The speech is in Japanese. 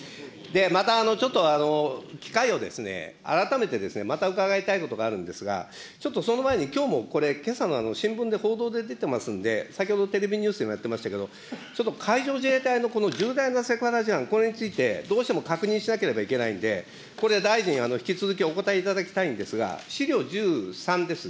またちょっと機会を改めて、また伺いたいことがあるんですが、ちょっとその前に、きょうもこれ、けさの新聞で、報道で出てますので、先ほど、テレビニュースでもやってましたけど、ちょっと海上自衛隊のこの重大なセクハラ事案、これについて、どうしても確認しなければいけないんで、これ、大臣、引き続きお答えいただきたいんですが、資料１３です。